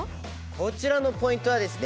こちらのポイントはですね